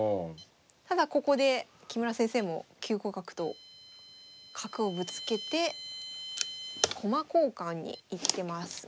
ただここで木村先生も９五角と角をぶつけて駒交換に行ってます。